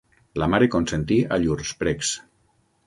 La mare consentí a llurs precs.